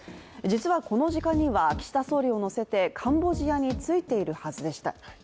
実はこの時間には、岸田総理を乗せてカンボジアについているはずでした。